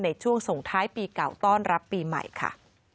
ในช่วงส่งท้ายปีเก่าต้อนรับปีใหม่ค่ะ